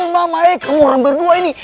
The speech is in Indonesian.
mama e kamu orang berdua ini